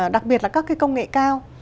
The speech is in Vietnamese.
đặc biệt là các cái công nghệ cao